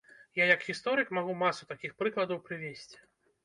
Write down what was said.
Я як гісторык магу масу такіх прыкладаў прывесці.